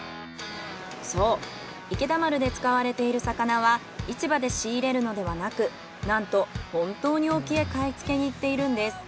そう池田丸で使われている魚は市場で仕入れるのではなくなんと本当に沖へ買い付けに行っているんです。